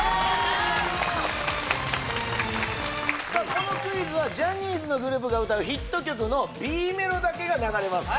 このクイズはジャニーズのグループが歌うヒット曲のＢメロだけが流れます